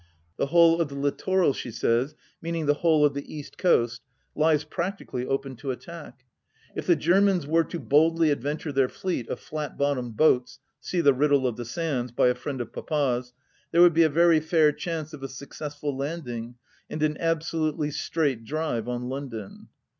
The whole of the littoral, she says — meaning the whole of the East Coast — lies practically open to attack. If the Germans were to boldly adventure their fleet of flat bottomed boats — see The Riddle of the Sands, by a friend of Papa's — ^there would be a very fair chance of a successful landing and an absolutely straight drive on London.